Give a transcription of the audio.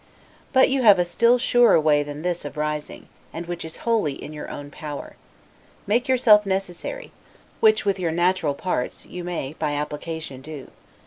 But you have still a surer way than this of rising, and which is wholly in your own power. Make yourself necessary; which, with your natural parts, you may, by application, do.